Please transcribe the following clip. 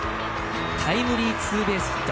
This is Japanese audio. タイムリーツーベースヒット。